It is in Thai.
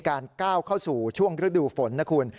ก้าวเข้าสู่ช่วงฤดูฝนนะคุณ